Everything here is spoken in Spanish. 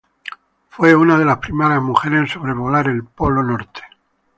Fue una de las primeras mujeres en sobrevolar el Polo Norte.